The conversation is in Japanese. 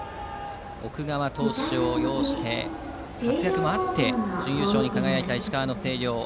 奥川投手を擁して活躍もあって準優勝に輝いた石川・星稜。